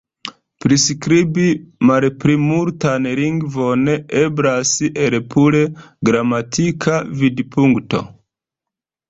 Priskribi malplimultan lingvon eblas el pure gramatika vidpunkto.